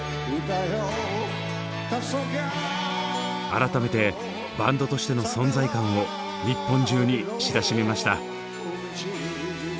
改めてバンドとしての存在感を日本中に知らしめました。